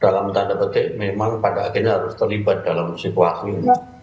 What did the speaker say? dalam tanda petik memang pada akhirnya harus terlibat dalam situasi